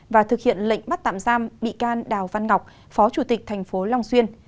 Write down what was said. và thực hiện lệnh bắt tạm giam bị can đào văn ngọc phó chủ tịch tp long xuyên